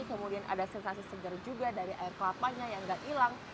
kemudian ada sensasi segar juga dari air kelapanya yang gak hilang